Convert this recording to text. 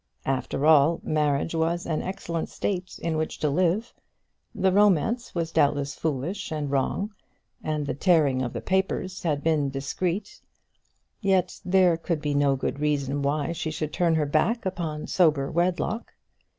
After all, marriage was an excellent state in which to live. The romance was doubtless foolish and wrong, and the tearing of the papers had been discreet, yet there could be no good reason why she should turn her back upon sober wedlock.